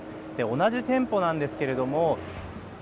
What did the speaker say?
同じ店舗なんですけども。